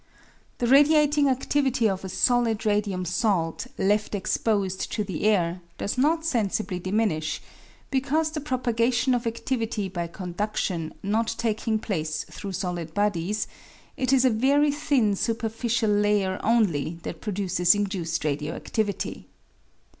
The radiating adivity of a solid radium salt left exposed to the air does not sensibly diminish, because the propaga tion of adivity by condudion not taking place through solid bodies, it is a very thin superficial layer only that produces induced radio adivity.